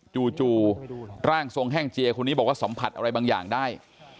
จู่ร่างทรงแห้งเจียคนนี้บอกว่าสัมผัสอะไรบางอย่างได้